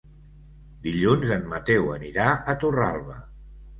Dilluns en Mateu anirà a Torralba.